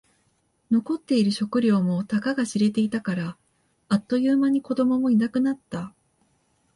残っている食料もたかが知れていたから。あっという間に子供もいなくなった。